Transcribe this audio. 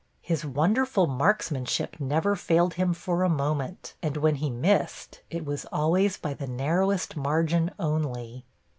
His wonderful marksmanship never failed him for a moment, and when he missed it was always by the narrowest margin only.